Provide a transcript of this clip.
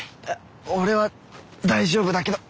俺は大丈夫だけど。